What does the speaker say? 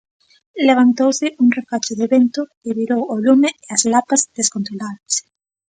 Levantouse un refacho de vento que virou o lume e as lapas descontroláronse.